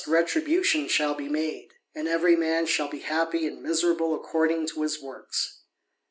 retribution shall be made, and every man shall be happy and miserable according to his works.